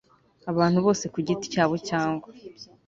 abantu bose ku giti cyabo cyangwa